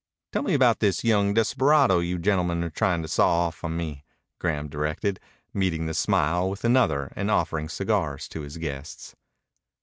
"Tell me about this young desperado you gentlemen are trying to saw off on me," Graham directed, meeting the smile with another and offering cigars to his guests.